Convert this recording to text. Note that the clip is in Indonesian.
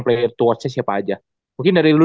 player towardsnya siapa aja mungkin dari lu